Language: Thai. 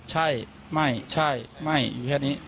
ใช่ไม่ใช่ไม่อยู่แค่นี้